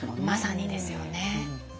まさにですよね。